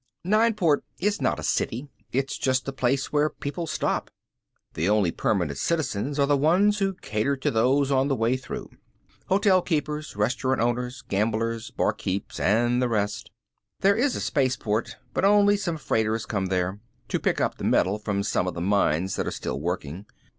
Nineport is not a city, it's just a place where people stop. The only permanent citizens are the ones who cater to those on the way through. Hotel keepers, restaurant owners, gamblers, barkeeps, and the rest. There is a spaceport, but only some freighters come there. To pick up the metal from some of the mines that are still working.